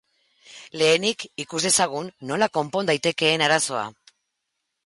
Lehenik ikus dezagun nola konpon daitekeen arazoa.